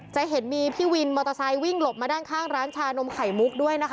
จะเห็นมีพี่วินมอเตอร์ไซค์วิ่งหลบมาด้านข้างร้านชานมไข่มุกด้วยนะคะ